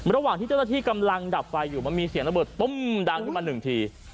ระหว่างที่เจ้าหน้าที่กำลังดับไฟอยู่มันมีเสียงระเบิดตุ้มดังขึ้นมาหนึ่งที